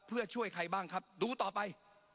เพื่อช่วยใครบ้างครับดูต่อไป